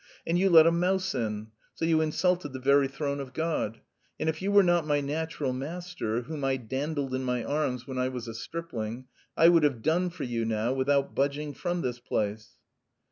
And you let a mouse in, so you insulted the very throne of God. And if you were not my natural master, whom I dandled in my arms when I was a stripling, I would have done for you now, without budging from this place!"